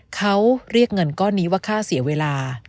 เขาเรียกเงินก้อนนี้ว่าค่าเสียเวลา